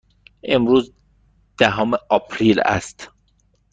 امروز دهم آپریل است.